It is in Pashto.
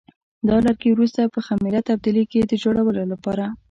دا لرګي وروسته په خمېره تبدیلېږي د جوړولو لپاره.